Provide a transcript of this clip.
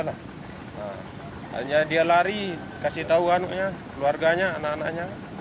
akhirnya dia lari kasih tahu anaknya keluarganya anak anaknya